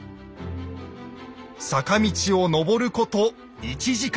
坂道を上ること１時間。